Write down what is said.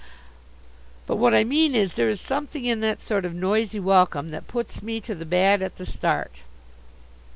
But what I mean is, there is something in that sort of noisy welcome that puts me to the bad at the start.